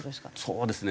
そうですね。